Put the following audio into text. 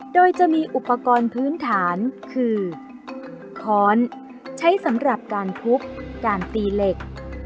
โดยจะมีอุปกรณ์พื้นฐานคือค้อนใช้สำหรับการทุบการตีเหล็ก